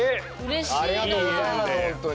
ありがとうございますほんとに。